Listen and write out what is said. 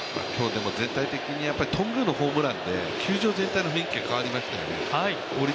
全体的に頓宮のホームランで球場全体の雰囲気が変わりましたよね。